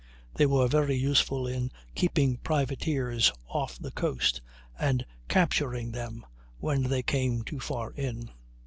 They were very useful in keeping privateers off the coast, and capturing them when they came too far in.